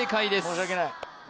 申し訳ないまあ